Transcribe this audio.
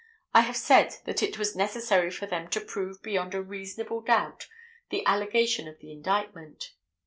I have said that it was necessary for them to prove beyond a reasonable doubt the allegation of the indictment.